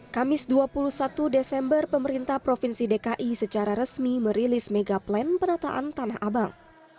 kamis dua puluh satu desember pemerintah provinsi dki secara resmi merilis mega plan penataan tanah abang